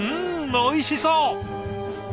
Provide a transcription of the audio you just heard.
おいしそう！